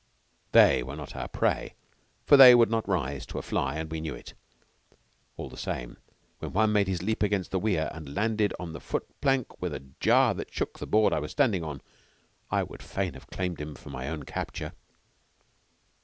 They were not our prey, for they would not rise at a fly, and we knew it. All the same, when one made his leap against the weir, and landed on the foot plank with a jar that shook the board I was standing on, I would fain have claimed him for my own capture.